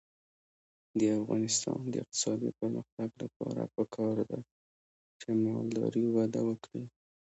د افغانستان د اقتصادي پرمختګ لپاره پکار ده چې مالداري وده وکړي.